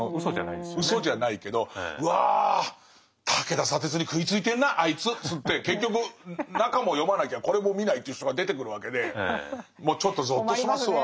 ウソじゃないけど「うわ武田砂鉄に食いついてんなあいつ」っつって結局中も読まなきゃこれも見ないという人が出てくるわけでもうちょっとゾッとしますわ。